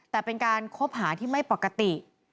แต่เป็นการคบหาที่ไม่ปกติ